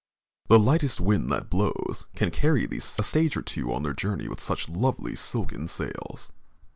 The lightest wind that blows can carry these a stage or two on their journey with such lovely silken sails.